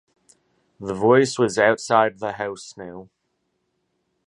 The voice was outside the house now.